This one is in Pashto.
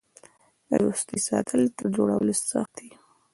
د دوستۍ ساتل تر جوړولو سخت دي.